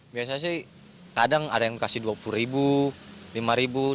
biasanya sih kadang ada yang kasih dua puluh ribu lima ribu